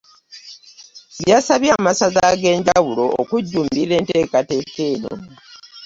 Yasabye amasaza ag'enjawulo okujjumbira enteekateeka eno